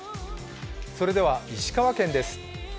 それでは石川県です。